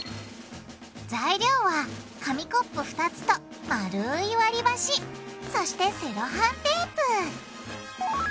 材料は紙コップ２つと丸い割りばしそしてセロハンテープ。